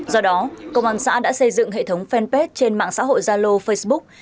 do đó công an xã đã xây dựng hệ thống fanpage trên mạng xã hội zalo facebook